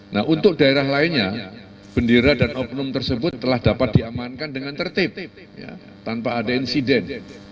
nah untuk daerah lainnya bendera dan oknum tersebut telah dapat diamankan dengan tertib tanpa ada insiden